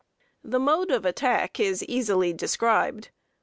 The mode of attack is easily described.